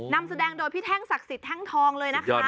นำแสดงโดยพี่แท่งศักดิ์สิทธิแท่งทองเลยนะคะ